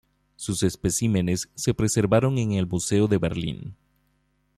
Sus especímenes se preservaron en el Museo de Berlín.